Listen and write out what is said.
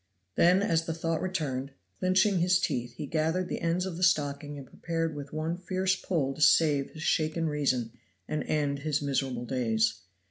Then as the thought returned, clinching his teeth, he gathered the ends of the stocking and prepared with one fierce pull to save his shaken reason and end his miserable days.